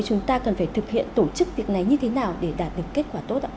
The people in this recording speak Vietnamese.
chúng ta cần phải thực hiện tổ chức việc này như thế nào để đạt được kết quả tốt ạ